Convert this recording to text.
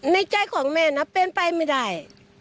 ในใจของแม่นะเป็นไปไม่ได้